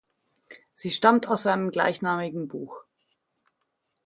Sie stammt aus seinem gleichnamigen Buch.